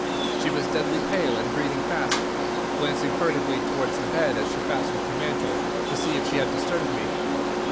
She was deadly pale and breathing fast, glancing furtively towards the bed as she fastened her mantle, to see if she had disturbed me.